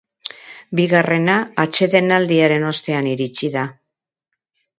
Bigarrena atsedenaldiaren ostean iritsi da.